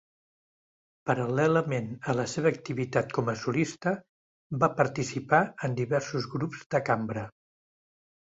Paral·lelament a la seva activitat com a solista, va participar en diversos grups de cambra.